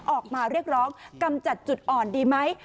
ออกมาเรียกร้องกำจัดจุดอ่อนดีไหม